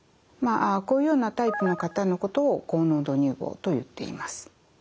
こういうようなタイプの方のことを高濃度乳房といっています。